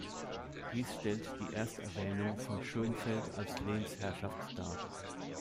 Dies stellt die Ersterwähnung von Schönfeld als Lehnsherrschaft dar.